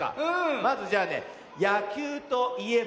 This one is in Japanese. まずじゃあねやきゅうといえば？